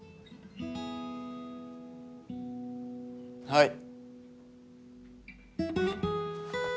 はい。